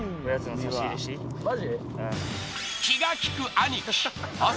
マジ？